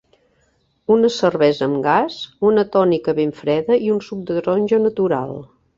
Una cervesa amb gas, una tònica ben freda i un suc de taronja natural.